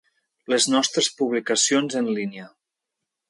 Les nostres publicacions en línia.